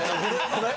これ？